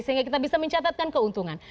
sehingga kita bisa mencatatkan keuntungan